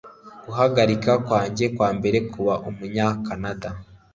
Guhagarika kwanjye kwambere kuba Umunyakanada